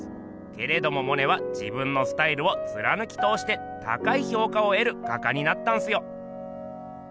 けれどもモネは自分のスタイルをつらぬきとおして高い評価をえる画家になったんすよ。